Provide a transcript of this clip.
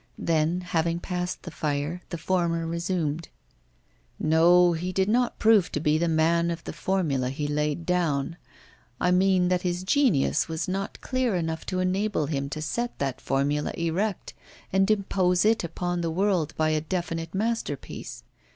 Then, having passed the fire, the former resumed: 'No, he did not prove to be the man of the formula he laid down. I mean that his genius was not clear enough to enable him to set that formula erect and impose it upon the world by a definite masterpiece.